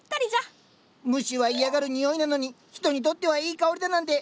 虫は嫌がるにおいなのに人にとってはいい香りだなんて